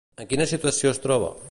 En quina situació es troba?